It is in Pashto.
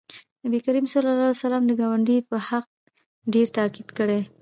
نبي کریم صلی الله علیه وسلم د ګاونډي په حق ډېر تاکید کړی